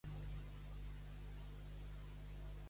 Poc i rosegat de rata.